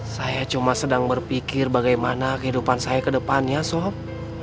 saya cuma sedang berpikir bagaimana kehidupan saya ke depannya sop